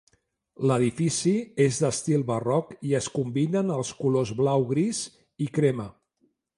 L'edifici és d'estil barroc i es combinen els colors blau gris i crema.